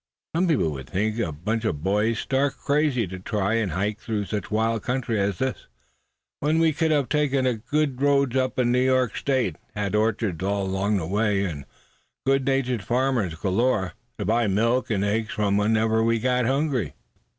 Some people would think a bunch of boys stark crazy, to try and hike through such wild country as this, when we could have taken to the good roads up in New York State, had orchards all along the way, and good natured farmers galore to buy milk and eggs from when we got hungry."